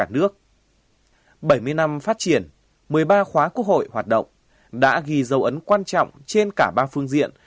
bảy mươi năm phát triển một mươi ba khóa quốc hội hoạt động đã ghi dấu ấn quan trọng trên cả ba phương diện